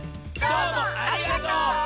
どうもありがとう！